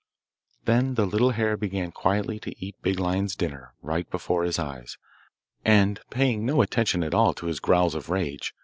Then the little hare began quietly to eat Big Lion's dinner right before his eyes, and paying no attention at all to his growls of rage.